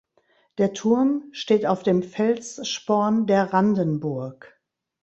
Der Turm steht auf dem Felssporn der Randenburg.